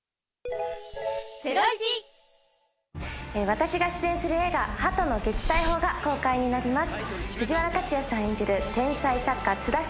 私が出演する映画『鳩の撃退法』が公開になります。